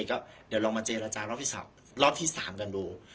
ก็เดี๋ยวลองมาเจรจารอบที่๓กันดู